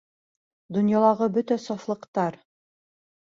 Донъялағы бөтә сафлыҡтар!..